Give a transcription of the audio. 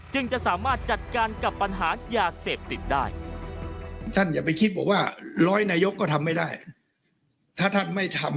จึงจะสามารถจัดการกับปัญหายาเสพติดได้